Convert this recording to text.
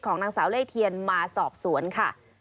นางสาวไล่เทียนมาสอบสวนค่ะ